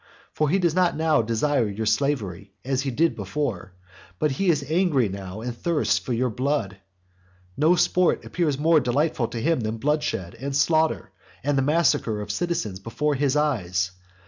For he does not now desire your slavery, as he did before, but he is angry now and thirsts for your blood. No sport appears more delightful to him than bloodshed, and slaughter, and the massacre of citizens before his eyes.